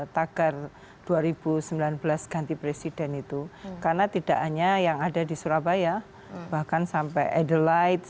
tagar dua ribu sembilan belas ganti presiden itu karena tidak hanya yang ada di surabaya bahkan sampai adelite